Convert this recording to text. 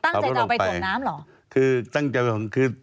แต่ขับรถออกไปตั้งใจจะเอาไปถวงน้ำหรอ